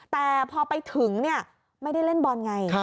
แต่พอไปถึงไม่ได้เล่นบอลไง